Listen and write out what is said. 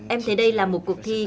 em thấy đây là một cuộc thi